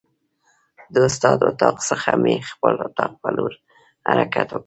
د استاد اتاق څخه مې خپل اتاق په لور حرکت وکړ.